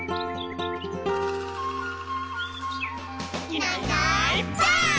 「いないいないばあっ！」